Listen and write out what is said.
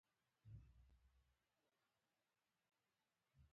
احتیاط کوئ، ځان او لوښي مه ماتوئ.